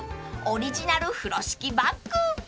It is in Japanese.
［オリジナル風呂敷バッグ］